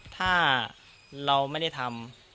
ถ้าเราไม่ได้ทำ